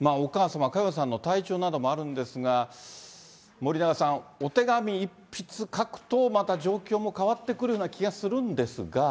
お母様、佳代さんの体調などもあるんですが、森永さん、お手紙一筆書くとまた状況も変わってくるような気がするんですが。